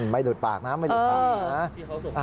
ไม่หลุดปากนะไม่หลุดปากนะ